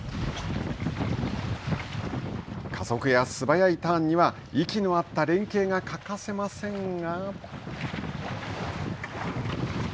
加速や素早いターンには息の合った連係が欠かせませんが。